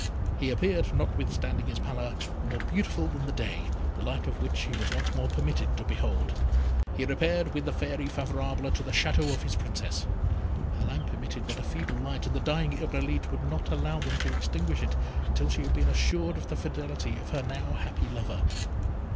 He appeared, notwithstanding his pallor, more beautiful than the day, the light of which he was once more permitted to behold. He repaired, with the Fairy Favourable, to the Château of his Princess. Her lamp emitted but a feeble light, and the dying Irolite would not allow them to extinguish it until she had been assured of the fidelity of her now happy lover.